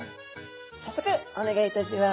早速お願いいたします。